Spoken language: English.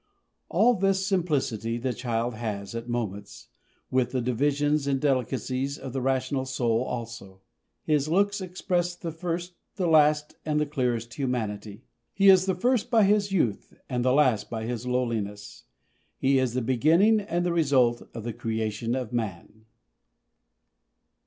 All this simplicity the child has, at moments, with the divisions and delicacies of the rational soul, also. His looks express the first, the last, and the clearest humanity. He is the first by his youth and the last by his lowliness. He is the beginning and the result of the creation of man.